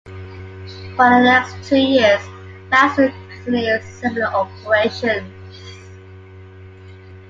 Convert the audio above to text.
For the next two years, "Lester" continued similar operations.